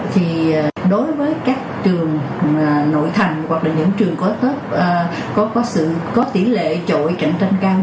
thì đối với các trường nội thành hoặc là những trường có tỷ lệ trội cạnh tranh cao